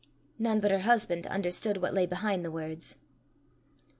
None but her husband understood what lay behind the words.